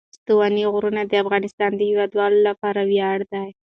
ستوني غرونه د افغانستان د هیوادوالو لپاره ویاړ دی.